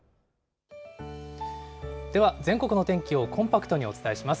では全国の天気をコンパクトにお伝えします。